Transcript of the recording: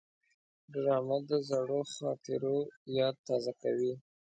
ډرامه د زړو خاطرو یاد تازه کوي